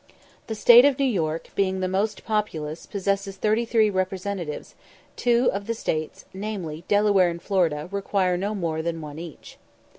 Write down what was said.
The State of New York, being the most populous, possesses 33 representatives; two of the States, namely, Delaware and Florida, require no more than one each.